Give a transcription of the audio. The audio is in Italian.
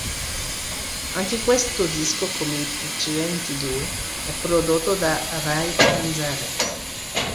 Anche questo disco, come i precedenti due, è prodotto da Ray Manzarek.